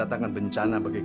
jangan jangan jangan